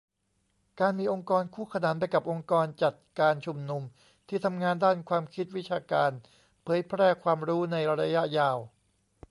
การมีองค์กรคู่ขนานไปกับองค์กรจัดการชุนนุม ที่ทำงานด้านความคิด วิชาการ เผยแพร่ความรู้ในระยะยาว